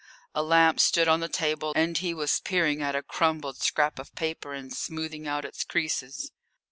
A lamp stood on the table, and he was peering at a crumpled scrap of paper and smoothing out its creases.